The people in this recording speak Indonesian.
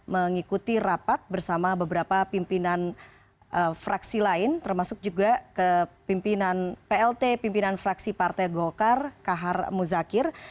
mengikuti rapat bersama beberapa pimpinan fraksi lain termasuk juga ke pimpinan plt pimpinan fraksi partai golkar kahar muzakir